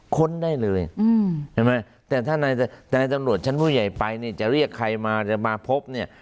ค้นได้เลยใช่ไหมแต่ถ้านายตำรวจชั้นผู้ใหญ่ไปเนี่ยจะเรียกใครมาจะมาพบเนี่ย